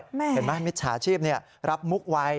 เห็นไหมมิจฉาชีพรับมุกไว